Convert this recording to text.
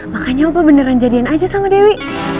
makanya oba beneran jadian aja sama dewi